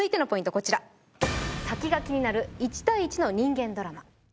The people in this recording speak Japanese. こちら「先が気になる１対１の人間ドラマ」